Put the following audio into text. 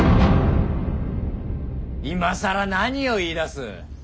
今更何を言いだす。